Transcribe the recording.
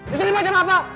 disini macam apa